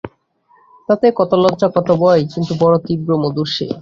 তাতে কত লজ্জা কত ভয়, কিন্তু বড়ো তীব্র মধুর সে।